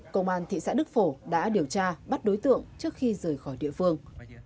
công an thị xã đức phổ đã điều tra bắt đối tượng trước khi rời khỏi địa phương